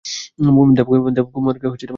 দেবকুমার কে চিনো?